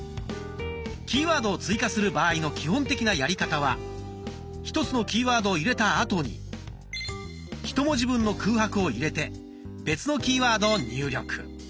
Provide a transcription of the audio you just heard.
キーワードを追加する場合の基本的なやり方は１つのキーワードを入れたあとにひと文字分の空白を入れて別のキーワードを入力。